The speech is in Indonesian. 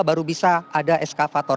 baru bisa ada eskavator